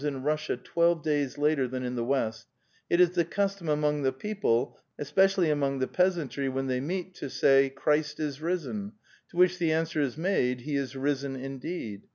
n Russia twelve days later than in the West, it is the custom among the people, especially among the peasantry, when th< y meet, to say, " Kristos voskres" (Christ is risen), to which, the answer is made, *< Vc^ietittu voskres " (He is rievn indeed).